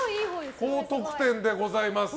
高得点でございます。